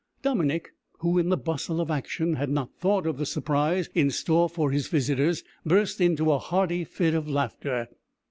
Dominick, who, in the bustle of action, had not thought of the surprise in store for his visitors, burst into a hearty fit of laughter.